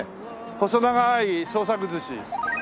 細長い創作寿司。